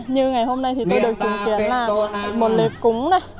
như ngày hôm nay thì tôi được chứng kiến là một lễ cúng đấy